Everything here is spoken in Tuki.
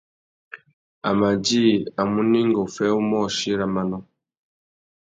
A mà djï a munú enga uffê umôchï râ manô.